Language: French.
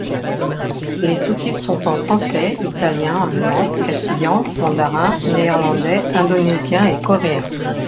Les sous-titres sont en Français, Italien, Allemand, Castillan, Mandarin, Néerlandais, Indonésien et Coréen.